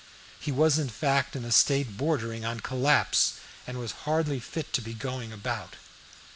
He was in fact in a state bordering on collapse, and was hardly fit to be going about.